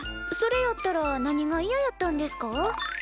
それやったら何がいややったんですか？